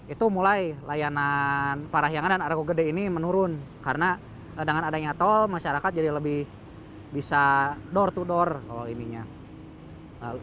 itu mulai layanan parahyangan dan argo gede ini menurun karena dengan adanya tol masyarakat jadi lebih bisa door to door kalau ininya